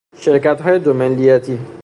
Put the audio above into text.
شرکتهای دو ملیتی